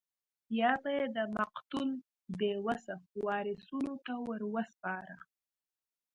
یا به یې د مقتول بې وسه وارثینو ته ورسپاره.